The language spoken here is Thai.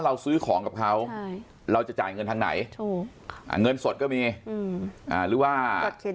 เราซื้อของกับเขาเราจะจ่ายเงินทางไหนเงินสดก็มีหรือว่า